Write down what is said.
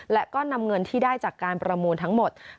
และก็นำเงินที่ได้จากการประมูลทั้งหมด